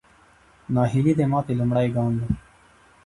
ناهیلي د ماتې لومړی ګام دی.